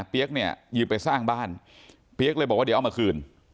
เนี่ยยืมไปสร้างบ้านเปี๊ยกเลยบอกว่าเดี๋ยวเอามาคืน